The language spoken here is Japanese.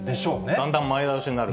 だんだん前倒しになると。